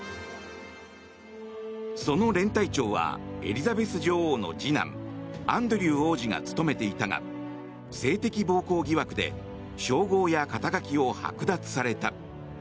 その連隊長はエリザベス女王の次男アンドリュー王子が務めていたが性的暴行疑惑で称号や肩書を剥奪された。